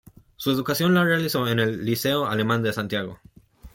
Su educación la realizó en el Liceo Alemán de Santiago.